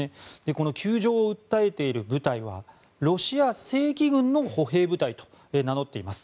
この窮状を訴えている部隊はロシア正規軍の歩兵部隊と名乗っています。